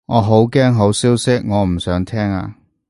我好驚好消息，我唔想聽啊